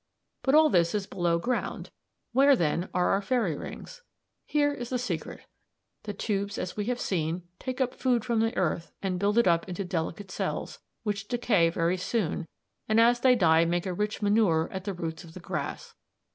"But all this is below ground; where then are our fairy rings? Here is the secret. The tubes, as we have seen, take up food from the earth and build it up into delicate cells, which decay very soon, and as they die make a rich manure at the roots of the grass.